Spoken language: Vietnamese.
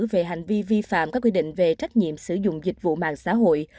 về hành vi vi phạm các quy định về trách nhiệm sử dụng dịch vụ mạng xã hội